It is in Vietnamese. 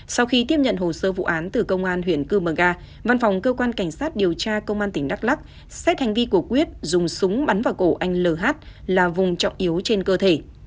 sau khi tiếp nhận hồ sơ vụ án từ công an huyện cư mờ ga văn phòng cơ quan cảnh sát điều tra công an tỉnh đắk lắc xét hành vi của quyết dùng súng bắn vào cổ anh l là vùng trọng yếu trên cơ thể